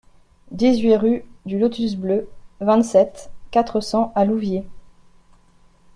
dix-huit rue du Lotus Bleu, vingt-sept, quatre cents à Louviers